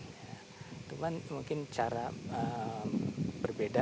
itu kan mungkin cara berbeda